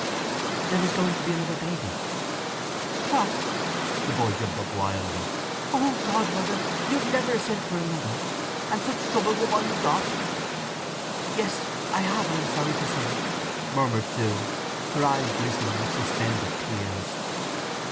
"There is going to be another baby." "What!" The boy jumped up wildly. "Oh God, Mother, you've never a sent for another; and such trouble with what you've got!" "Yes, I have, I am sorry to say!" murmured Sue, her eyes glistening with suspended tears.